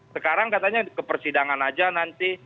sekarang katanya ke persidangan aja nanti